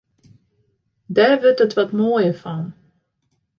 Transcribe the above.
Dêr wurdt it wat moaier fan.